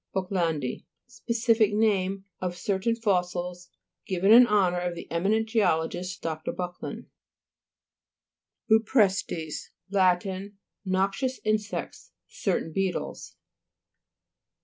BUCKLA'JTDII Specific name of cer tain fossils, given in honour of the eminent geologist Dr. Buck land. BUPRE'STES Lat. Noxious insects. Certain beetles.